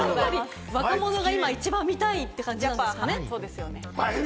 若者が今、一番見たいって感じなんですかね。